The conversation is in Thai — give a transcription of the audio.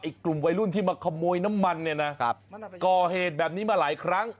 กลุ่มวัยรุ่นที่มาขโมยน้ำมันเนี่ยนะครับก่อเหตุแบบนี้มาหลายครั้ง